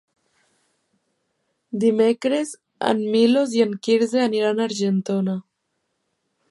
Dimecres en Milos i en Quirze aniran a Argentona.